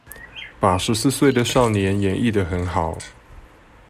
把十四歲的少年演繹的很好